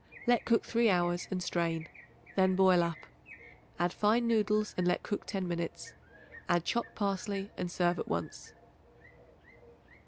Let cook three hours and strain; then boil up; add fine noodles and let cook ten minutes. Add chopped parsley and serve at once.